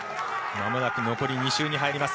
まもなく残り２周に入ります。